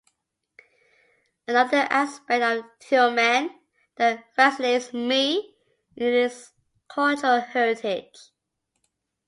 Another aspect of Tyumen that fascinates me is its cultural heritage.